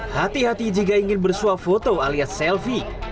hati hati jika ingin bersuap foto alias selfie